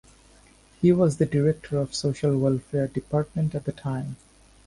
He was the Director of Social Welfare Department at that time.